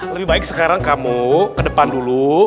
lebih baik sekarang kamu ke depan dulu